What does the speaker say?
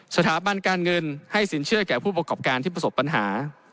สถาบันการเงินให้สินเชื่อแก่ผู้ประกอบการที่ประสบปัญหา